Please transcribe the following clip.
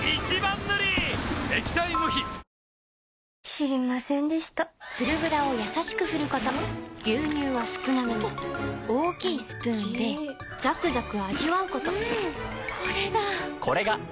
知りませんでした「フルグラ」をやさしく振ること牛乳は少なめに大きいスプーンで最後の一滴まで「カルビーフルグラ」